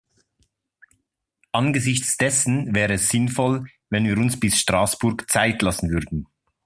Angesichts dessen wäre es sinnvoll, wenn wir uns bis Straßburg Zeit lassen würden.